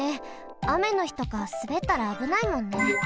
あめのひとかすべったらあぶないもんね。